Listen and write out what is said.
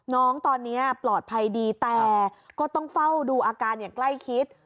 น้องตอนนี้ปลอดภัยดีแต่ก็ต้องเฝ้าดูอาการอย่างใกล้ชิด